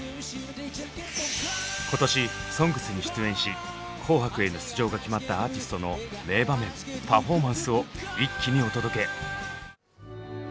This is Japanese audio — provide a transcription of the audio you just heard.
今年「ＳＯＮＧＳ」に出演し「紅白」への出場が決まったアーティストの名場面パフォーマンスを一気にお届け！